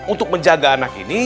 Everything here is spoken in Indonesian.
untuk menjaga anak ini